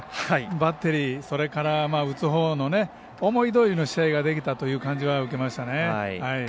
バッテリー、それから打つほうの思いどおりの試合ができたと受けましたね。